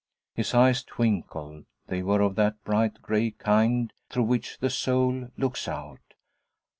His eyes twinkled; they were of that bright gray kind through which the soul looks out.